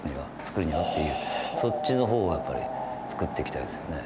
そっちの方がやっぱり作っていきたいですよね。